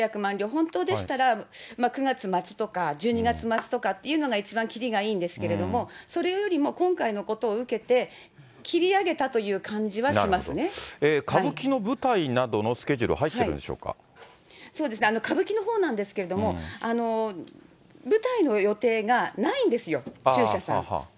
本当でしたら９月末とか１２月末とかというのが一番切りがいいんですけど、それよりも今回のことを受けて、切り上げたという感じ歌舞伎の舞台などのスケジュ歌舞伎のほうなんですけど、舞台の予定がないんですよ、中車さん。